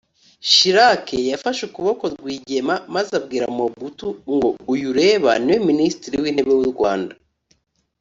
Chirac yafashe ukuboko Rwigema maze abwira Mobutu ngo “uyu ureba niwe Minisitiri w’intebe w’u Rwanda